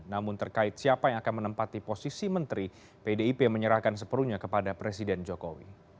namun terkait siapa yang akan menempati posisi menteri pdip menyerahkan seperunya kepada presiden jokowi